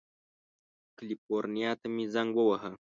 کلیفورنیا ته مې زنګ ووهه.